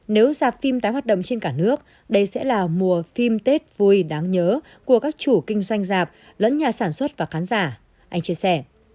nếu dạp phim tái hoạt động trên cả nước đây sẽ là mùa phim tết vui đáng nhớ của các chủ kinh doanh dạp lẫn nhà sản xuất và khán giả anh chia sẻ